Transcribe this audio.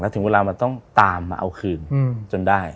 ถึงเวลามันต้องตามมาเอาคืนจนได้